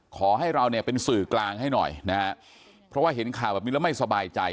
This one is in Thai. ขอให้เราเนี่ยเป็นสื่อกลางให้หน่อยนะฮะเพราะว่าเห็นข่าวแบบนี้แล้วไม่สบายใจ